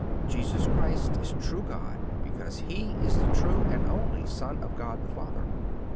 Jesus Christ is true God because He is the true and only Son of God the Father.